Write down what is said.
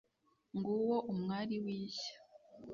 Nguwo umwari w'ishya,